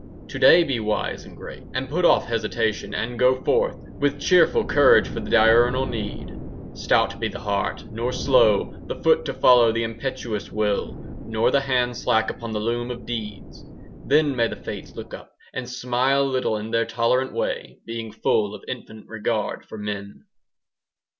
"To day be wise and great, And put off hesitation and go forth 5 With cheerful courage for the diurnal need. "Stout be the heart, nor slow The foot to follow the impetuous will, Nor the hand slack upon the loom of deeds. "Then may the Fates look up 10 And smile a little in their tolerant way, Being full of infinite regard for men."